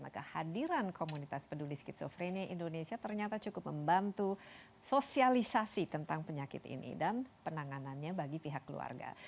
maka hadiran komunitas peduli skizofrenia indonesia ternyata cukup membantu sosialisasi tentang penyakit ini dan penanganannya bagi pihak keluarga